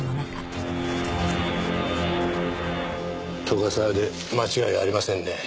斗ヶ沢で間違いありませんね。